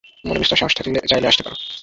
মনে বিস্তর সাহস থাকলে চাইলে আসতে পারো।